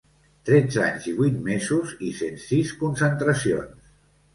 Tretze anys i vuit mesos i cent sis concentracions.